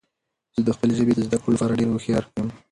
زه د خپلې ژبې د زده کړو لپاره ډیر هوښیار یم.